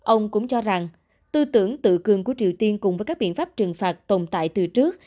ông cũng cho rằng tư tưởng tự cường của triều tiên cùng với các biện pháp trừng phạt tồn tại từ trước